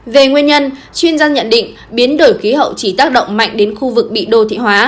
về nguyên nhân chuyên gia nhận định biến đổi khí hậu chỉ tác động mạnh đến khu vực bị đô thị hóa